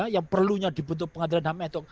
yang perlunya dibutuhkan pengadilan ham eto